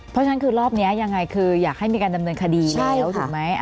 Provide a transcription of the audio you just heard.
เพราะฉะนั้นคือรอบนี้ยังไงคืออยากให้มีการดำเนินคดีแล้วถูกไหม